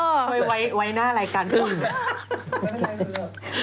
เคยไว้หน้ารายการทุกวันนี้